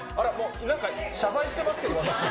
なんか謝罪してますけど、私。